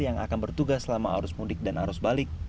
yang akan bertugas selama arus mudik dan arus balik